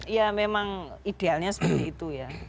ya memang idealnya seperti itu ya